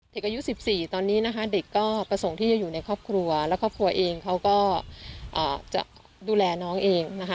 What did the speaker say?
เด็กอายุ๑๔ตอนนี้นะคะเด็กก็ประสงค์ที่จะอยู่ในครอบครัวแล้วครอบครัวเองเขาก็จะดูแลน้องเองนะคะ